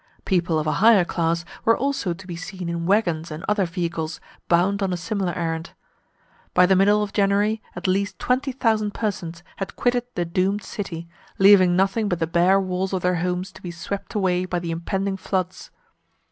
People of a higher class were also to be seen in wagons and other vehicles bound on a similar errand. By the middle of January, at least twenty thousand persons had quitted the doomed city, leaving nothing but the bare walls of their homes to be swept away by the impending floods.